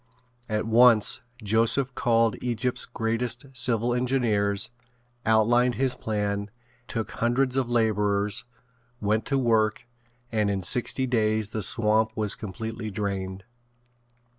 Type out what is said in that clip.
At once Joseph called Egypt's greatest civil engineers, outlined his plan, took hundreds of laborers, went to work and in sixty days the swamp was completely drained.